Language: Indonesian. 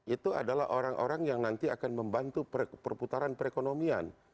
itu adalah orang orang yang nanti akan membantu perputaran perekonomian